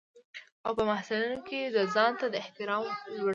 او په محصلینو کې د ځانته د احترام لوړولو.